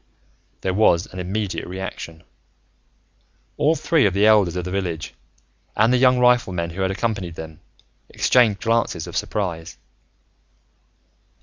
There was an immediate reaction: all three of the elders of the village, and the young riflemen who had accompanied them, exchanged glances of surprise.